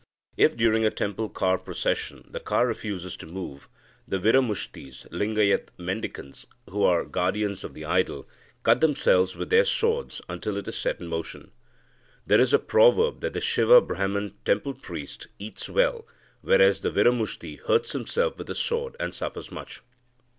If, during a temple car procession, the car refuses to move, the Viramushtis (Lingayat mendicants), who are guardians of the idol, cut themselves with their swords until it is set in motion. There is a proverb that the Siva Brahman (temple priest) eats well, whereas the Viramushti hurts himself with the sword, and suffers much.